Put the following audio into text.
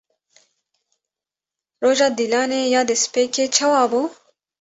Roja Dîlanê ya destpêkê çawa bû?